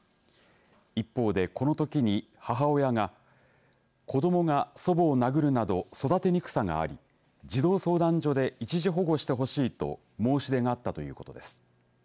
一方で、このときに母親が子どもが祖母を殴るなど育てにくさがあり児童相談所で一時保護してほしいと申し出があったということです。